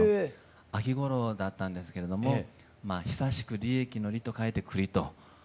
秋ごろだったんですけれども久しく「利益」の「利」と描いて「久利」と。